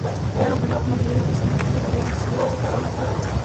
En la localidad madrileña de San Martín de la Vega, se celebra su patronazgo.